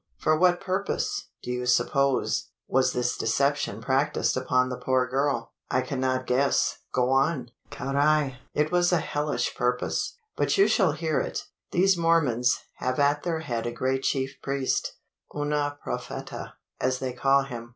For what purpose, do you suppose, was this deception practised upon the poor girl?" "I cannot guess go on!" "Carrai! it was a hellish purpose; but you shall hear it. These Mormons have at their head a great chief priest una propheta, as they call him.